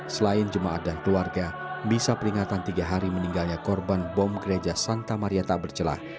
selain jemaat dan keluarga misa peringatan tiga hari meninggalnya korban bom gereja santa maria tak bercelah